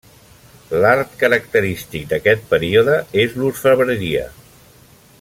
L'art característic d'aquest període és l'orfebreria.